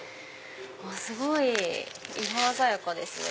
すごい色鮮やかですね。